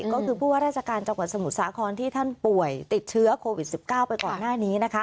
ก็คือผู้ว่าราชการจังหวัดสมุทรสาครที่ท่านป่วยติดเชื้อโควิด๑๙ไปก่อนหน้านี้นะคะ